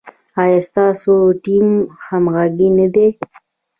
ایا ستاسو ټیم همغږی نه دی؟